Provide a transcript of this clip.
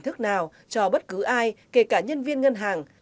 thức nào cho bất cứ ai kể cả nhân viên ngân hàng